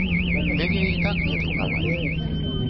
Мяне і так не друкавалі.